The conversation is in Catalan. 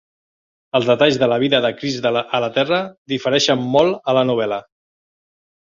Els detalls de la vida de Chris a la Terra difereixen molt a la novel·la.